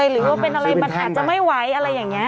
หรือว่าเป็นอะไรมันอาจจะไม่ไหวอะไรอย่างนี้